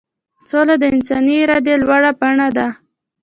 سوله د انساني ارادې لوړه بڼه ده.